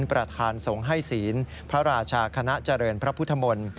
ประธานสงฆ์ให้ศีลพระราชาคณะเจริญพระพุทธมนตร์